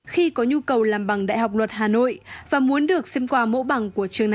khi có nhu cầu làm bằng đại học luật hà nội và muốn được xem qua mẫu bằng